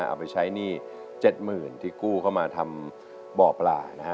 เอาไปใช้หนี้๗๐๐๐ที่กู้เข้ามาทำบ่อปลานะฮะ